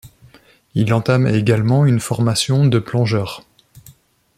Il entame également une formation de plongeur.